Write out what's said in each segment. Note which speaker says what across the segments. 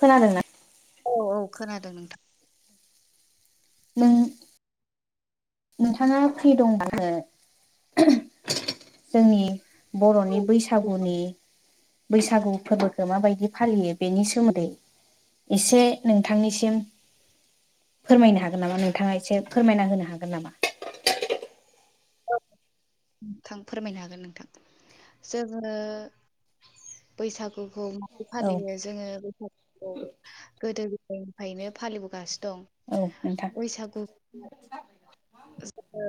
Speaker 1: खोनादोंना
Speaker 2: औ औ खोनादों नोंथां
Speaker 1: उम नोंथाङा फ्रि दंबो जोंनि
Speaker 2: औ
Speaker 1: बरनि
Speaker 2: देलाय
Speaker 1: बैसागुनि बैसागु फोरबोखौ माबायदि फालियो बेनि सोमोन्दै एसे नोंथांनिसिम फोरमायनो हागोन नामा नोंथाङा एसे फोरमायना होनो हागोन नामा
Speaker 2: नोंथां फोरमायनो हागोन नोंथां जोङो बैसागुखौ
Speaker 1: औ
Speaker 2: फालियो जोङो बैसागुखौ गोदो गोदायनिफ्रायनो फालिबोगासिनो दं
Speaker 1: औ नोंथां
Speaker 2: बैसागु जोङो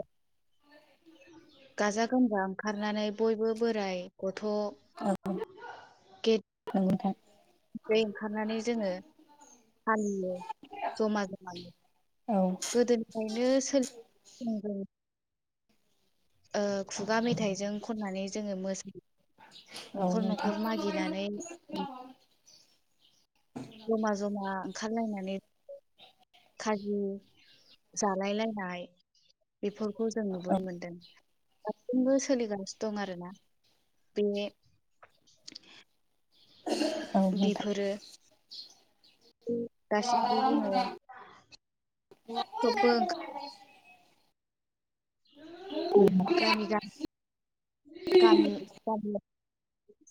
Speaker 2: गाजा गोमजा ओंखारनानै बयबो बोराइ गथ'
Speaker 1: औ गोजथ
Speaker 2: ओफ्राय ओंखारनानै जोङो फालियो जमा जमायो
Speaker 1: औ
Speaker 2: गोदोनिफ्रायनो [unintelligible] ओ खुगा मेथाइजों खननानै जोङो मोसा
Speaker 1: औ
Speaker 2: न'खर
Speaker 1: नोंथां
Speaker 2: न'खर मागिनानै जमा जमा ओंखारलायनानै खाजि जालायलायनाय बेफोरखौ जों
Speaker 1: औ
Speaker 2: नुबोनो मोनदों दासिमबो सोलिगासिनो दं आरोना बे
Speaker 1: औ नोंथां
Speaker 2: बेफोरो दासिमबो दोङो
Speaker 1: न
Speaker 2: [unintelligible] गामि गाम गामि गामियाव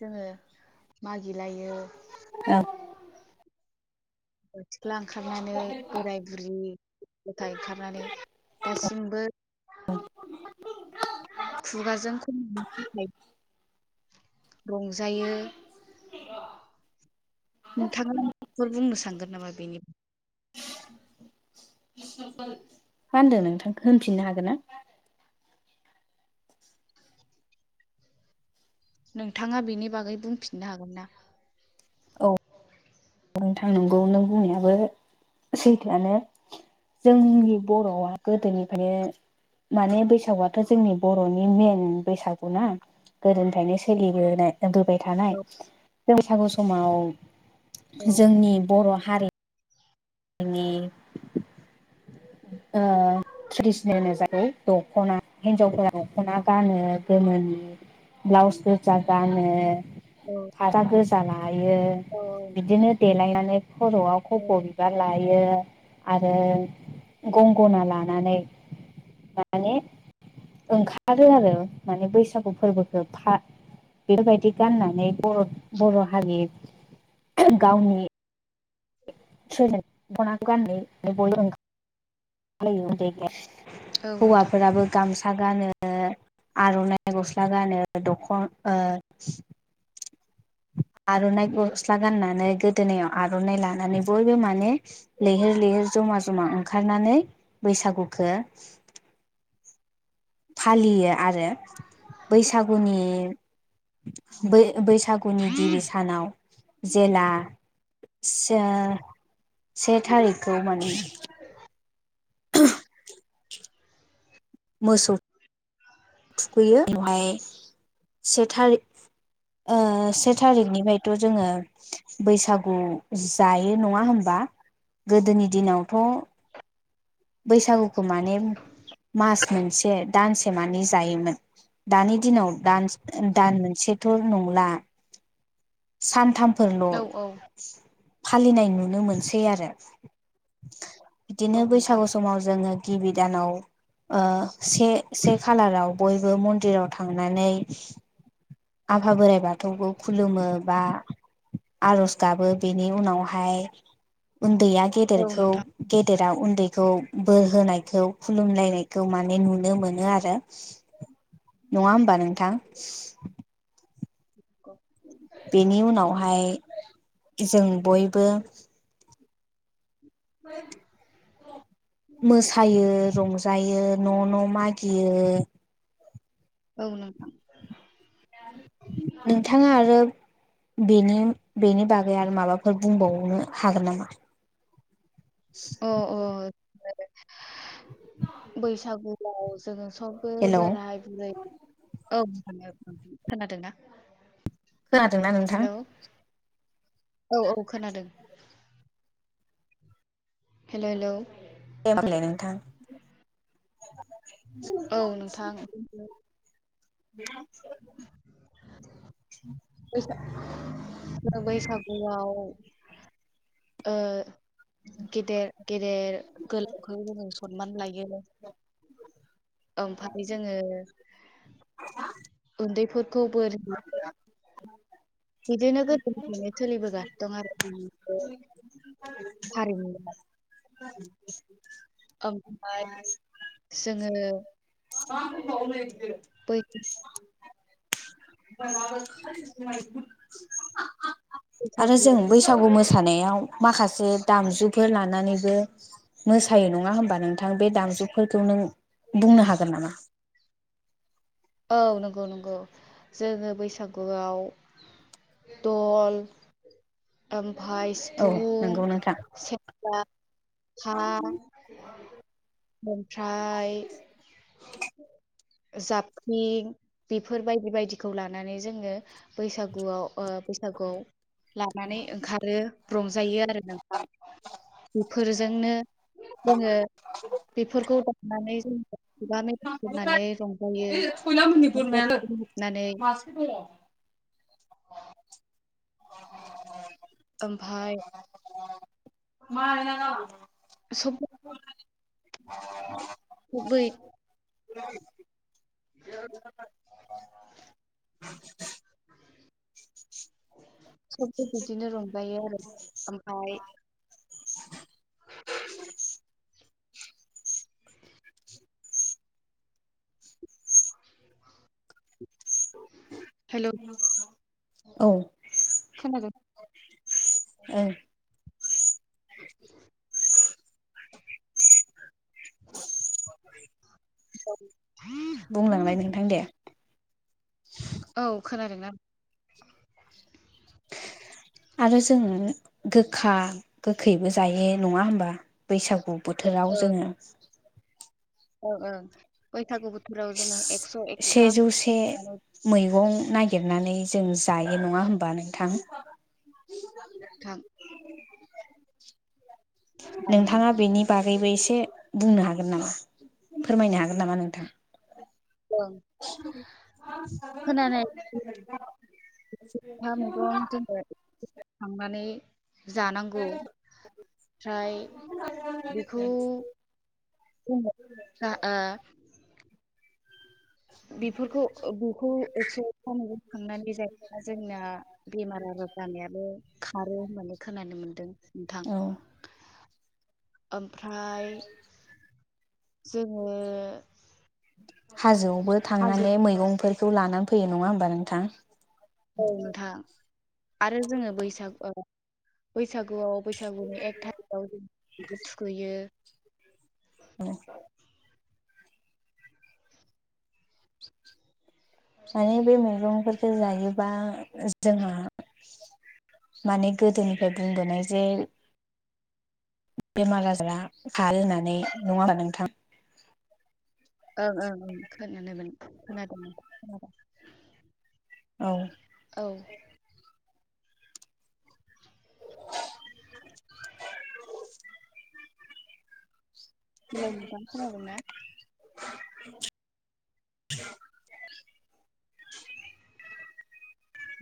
Speaker 2: जोङो मागिलायो
Speaker 1: ओं
Speaker 2: [unintelligible] ओंखारनानै बोराय बुरि गथाय ओंखारनानै दासिमबो
Speaker 1: [inaudible]
Speaker 2: खुगाजों [unintelligible] रंजायो नोंथां फोर बुंनो सानगोन नामा बेनि
Speaker 1: मा होनदों नोंथांखौ होनफिननो हागोन ना
Speaker 2: नोंथाङा बेनि बागै बुंफिननो हागोन ना
Speaker 1: औ बेनो थांनांगौ नों बुंनायाबो सैथोआनो जोंनि बर'आ गोदोनिफ्रायनो माने बैसागुआथ' जोंनि बर'नि मेन बैसागु ना गोदोनिफ्रायनो सोलिबोनायबोबाय थानाय
Speaker 2: औ
Speaker 1: बैसागु समाव
Speaker 2: औ
Speaker 1: जोंनि बर' हारि जोंनि ट्रेडिसनेल होन [unintelligible] दख'ना हिन्जावफोरा दख'ना गानो गोमोनि ब्लाउज गोजा गानो
Speaker 2: औ।
Speaker 1: फाथा गोजा लायो बिदिनो देलायनानै खर'आव खब'
Speaker 2: औ
Speaker 1: बिबार लायो आरो गंगना लानानै माने ओंखारो आरो माने बैसागु फोरबोखो फा बेफोरबायदि गाननानै बर' हारि गावनि स दखनाखौ गान बल ओंख
Speaker 2: औ
Speaker 1: [unintelligible]
Speaker 2: नोंथां
Speaker 1: हौवाफोराबो गामसा गानो आर'नाइ गस्ला गानो दखना आर'नाइ गस्ला गाननानै गोदोनायाव आर'नाइ लानानै बयबो माने लैहोर लैहोर जमा जमा ओंखारनानै बैसागुखौ फालियो आरो बैसागुनि बैसागु आ गुनि गिबि सानाव जेला से थारिखखौ मान मोसौ थुखैयो बहाय से थारि से थारिखनिफ्रायथ' जोङो बैसागु जायो नङा होनबा गोदोनि दिनावथ' बैसागुखौ माने मास मोनसे दानसे माने जायोमोन दानि दिनाव दान दान मोनसेथ' नंला
Speaker 2: औ औ
Speaker 1: सानथामफोरल' फालिनाय नुनो मोनसै आरो।
Speaker 2: औ
Speaker 1: बिदिनो
Speaker 2: नोंथां
Speaker 1: बैसागु समाव जोङो गिबि दानाव से से खालाराव बयबो मन्दिराव थांनानै आफा बोराइ बाथौखौ खुलुमो बा आर'ज गाबो बेनि उनावहाय उन्दैया
Speaker 2: औ
Speaker 1: गेदेरखौ
Speaker 2: नोंथां
Speaker 1: गेदेरा उन्दैखौ बोर होनायखौ खुलुमलायनायखौ माने नुनो मोनो आरो नङा होमबा नोंथां।
Speaker 2: [inaudible]
Speaker 1: बेनि उनावहाय जों बयबो
Speaker 2: अ
Speaker 1: मोसायो रंजायो न' न' मागियो
Speaker 2: औ नोंथां।
Speaker 1: नोंथाङा आरो बेनि बेनि बागै आरो माबाफोर बुंबावनो हागोन नामा
Speaker 2: अ अ बैसागुआव जोङो सब
Speaker 1: हेलौ
Speaker 2: बोराय बुरै औ खोनादोंनाा
Speaker 1: खोनादोंना नोंथां
Speaker 2: हेल' औ औ खोनादों हेल' हेल'।
Speaker 1: दे होनोमबालाय नोंथां
Speaker 2: औ नोंथां।
Speaker 1: [inaudible]
Speaker 2: बैसागुआव गेदेर गेदेर गोलावखौ जोङो सनमान लायो। [inaudible] ओमफाय जोङो उन्दैफोरखौ बोर
Speaker 1: [unintelligible]
Speaker 2: बिदिनो गोदोनिफ्रायनो सोलिबोगासिनो दं आरो उम
Speaker 1: [unintelligible]
Speaker 2: ओमफाय जोङो [inaudible] बै
Speaker 1: [unintelligible] आरो
Speaker 2: बैसागु
Speaker 1: जों बैसागु मोसानायाव माखासे दामजुफोर लानानैबो मोसायो नङा होमबा नोंथां बे दामजुफोरखौ नों बुंनो हागोन नामा?
Speaker 2: औ नंगौ नंगौ। जोङो बैसागुआव दल ओमफाय
Speaker 1: औ
Speaker 2: सिफुं
Speaker 1: नंगौ नोंथां
Speaker 2: से [inaudible] ओमफ्राय जाबखिं बिफोर बायदि बायदिखौ लानानै जोङो बैसागुआव ओ बैसागुआव लानानै ओंखारो रंजायो आरो नोंथां। इफोरजोंनो जोङो बेफोरखौ दानानै जोङो खुगा मे खननानै रंजायो। न'खर हाबनानै
Speaker 1: [inaudible]
Speaker 2: ओमफाय
Speaker 1: [inaudible]
Speaker 2: [unintelligible] गुबै
Speaker 1: [unintelligible]
Speaker 2: [inaudible] सबबो बिदिनो रंजायो आरो। ओमफाय [unintelligible] हेलौ
Speaker 1: औ। ओ।
Speaker 2: खोनादों [unintelligible]
Speaker 1: [unintelligible]
Speaker 2: औ।
Speaker 1: बुंलांलाय नोंथां दे।
Speaker 2: औ खोनादोंना? [unintelligible]
Speaker 1: आरो जोङो गोखा गोखैबो जायो नङा होमबा बैसागु
Speaker 2: ओं
Speaker 1: बोथोराव जोङो
Speaker 2: ओं ओं बैसागु बोथोराव जोङो एकस' एकथा
Speaker 1: सेजौसे मैगं नायगिरनानै जों जायो नङा होमबा नोंथां?
Speaker 2: थां जायो
Speaker 1: नोंथाङा
Speaker 2: नोंथां
Speaker 1: बेनि
Speaker 2: जायो
Speaker 1: बागैबो एसे बुंनो हागोन नामा फोरमायनो हागोन नामा नोंथां?
Speaker 2: ओं खोनानाय
Speaker 1: [unintelligible]
Speaker 2: थांनानै जानांगौ। फ्राय बेखौ आ ओ बिफोरखौ ओ बुखौ एकस' एकता मेगं खांनानै जायो जोंना बेमार आजार जानायाबो खारो होननानै खोनानो मोनदों नोंथां।
Speaker 1: औ
Speaker 2: आमफ्राय
Speaker 1: हाजोआवबो
Speaker 2: हाजो
Speaker 1: थांनानै मैगंफोर खौ लानान फैयो नङा होमबा नोंथां?
Speaker 2: औ नोंथां आरो जोङो बैसागुआव बैसागुआव बैसागुनि एक थारिखआव जों [inaudible] थुखैयो।
Speaker 1: [unintelligible] माने बे मैगंफोरखौ जायोबा जोंहा माने गोदोनिफ्राय बुंबोनाय जे बेमार आजारा खारो होननानै नंआ होनबा नोंथां।
Speaker 2: ओं ओं ओं खोनादोंमोन खोनादोंमोन खोनादों
Speaker 1: औ
Speaker 2: औ।
Speaker 1: [inaudible]
Speaker 2: हेल' नोंथां खोनादों ना?
Speaker 1: [inaudible]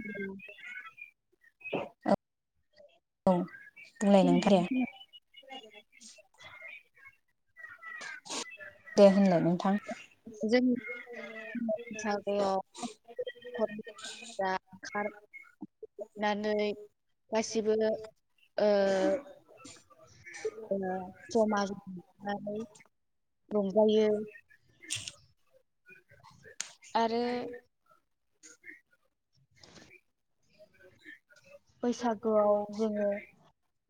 Speaker 2: औ।
Speaker 1: औ औ बुंलाय [unintelligible] दे होनलाय नोंथां।
Speaker 2: जों बैसागुआव [unintelligible] [unintelligible] नुनानै गासिबो ओ जमा जनानै रंजायो। आरो। बैसागोआव जोङो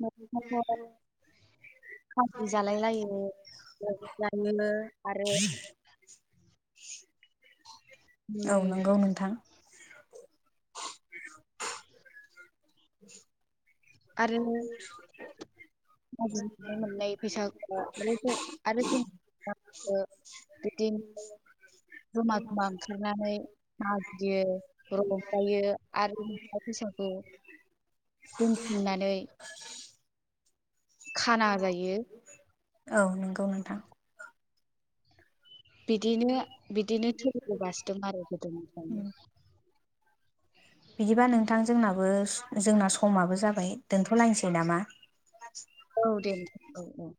Speaker 2: न'खराव फारति जालाय लायो जायो। आरो
Speaker 1: औ
Speaker 2: उम
Speaker 1: नंगौ नोंथां। आरो।
Speaker 2: मांगिनानै मोननाय फैसा आरो [unintelligible] [unintelligible] जमा जमा ओंखारनानै मांगियो रंजायो आरो थाखा फैसाखौ
Speaker 1: [inaudible]
Speaker 2: दोनथुमनानै
Speaker 1: [inaudible]
Speaker 2: खाना जायो।
Speaker 1: औ नंगौ। नोंथां
Speaker 2: बिदिनो सोलिबोगासिनो दं आरो गोदोनिफ्रायनो।
Speaker 1: बिदिबा नोंथां जोंनाबो जोंना समाबो जाबाय दोनथ'लायनोसै नामा।
Speaker 2: औ दे औ औ।